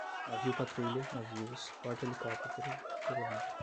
Navio-patrulha, navios, porta-helicóptero, quelândio